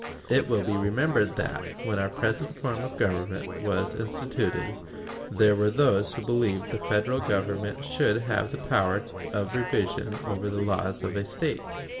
It will be remembered that, when our present form of government was instituted, there were those who believed the Federal Government should have the power of revision over the laws of a State.